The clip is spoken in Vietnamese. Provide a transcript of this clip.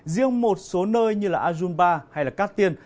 riêng một số nơi như là azumba hay là cát tiên